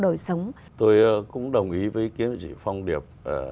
tôi cũng đồng ý với ý kiến của chị phong điệp